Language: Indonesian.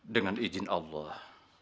dengan izin allah